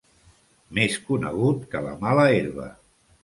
Més conegut que la mala herba.